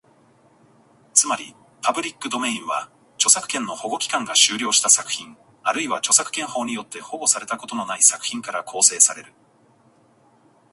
つまり、パブリックドメインは、著作権の保護期間が終了した作品、あるいは著作権法によって保護されたことのない作品から構成される。